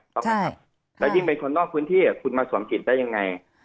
แล้วยิ่งเป็นคนนอกพื้นที่คุณมาสวมจิตได้ยังไง